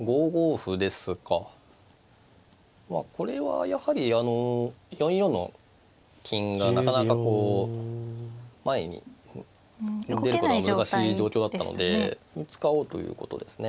まあこれはやはりあの４四の金がなかなかこう前に出ることが難しい状況だったので使おうということですね。